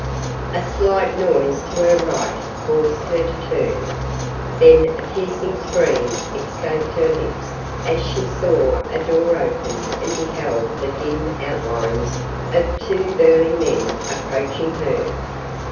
A slight noise to her right caused her to turn. Then a piercing scream escaped her lips as she saw a door open and beheld the dim outlines of two burly men approaching her.